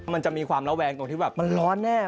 มันจะมีความระแวงตรงที่แบบมันร้อนแน่